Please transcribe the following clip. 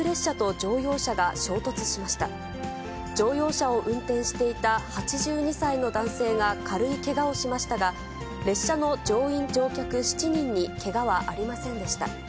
乗用車を運転していた８２歳の男性が軽いけがをしましたが、列車の乗員・乗客７人にけがはありませんでした。